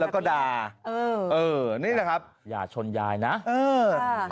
แล้วก็ด่าเออเออนี่แหละครับอย่าชนยายนะเออ